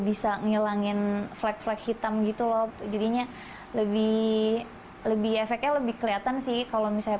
bisa ngilangin flag flag hitam gitu loh jadinya lebih lebih efeknya lebih kelihatan sih kalau misalnya